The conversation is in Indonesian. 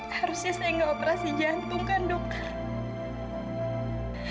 harusnya saya gak operasi jantung kan dokter